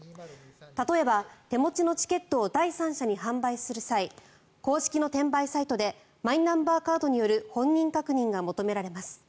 例えば、手持ちのチケットを第三者に販売する際公式の転売サイトでマイナンバーカードによる本人確認が求められます。